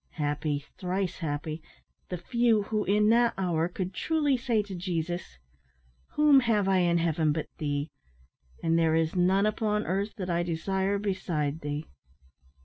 Happy, thrice happy, the few who in that hour could truly say to Jesus, "Whom have I in heaven but Thee? and there is none upon earth that I desire beside Thee."